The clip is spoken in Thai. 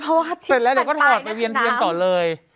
เสร็จแลน่าก็ถอดเวียนเทียงต่อเลย